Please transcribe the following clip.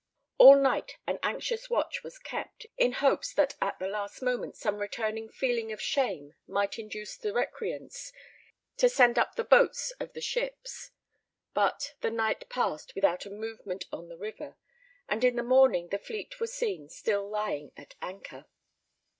All night an anxious watch was kept, in hopes that at the last moment some returning feeling of shame might induce the recreants to send up the boats of the ships. But the night passed without a movement on the river, and in the morning the fleet were seen still lying at anchor.